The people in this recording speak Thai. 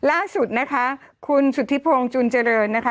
ล่าสุดนะคะคุณสุธิพงศ์จุนเจริญนะคะ